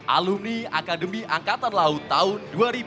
alumni akademi angkatan laut tahun dua ribu lima